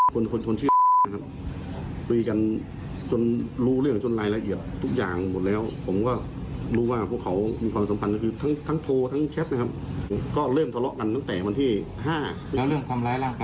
เขาก็ตกตีผม